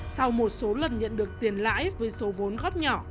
sau một số lần nhận được tiền lãi với số vốn góp nhỏ